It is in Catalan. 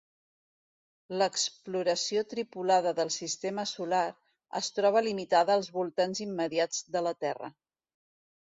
L'exploració tripulada del sistema solar es troba limitada als voltants immediats de la Terra.